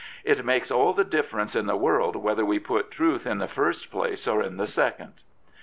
" It makes all the difference in the world whether we put truth in the first place or in the second."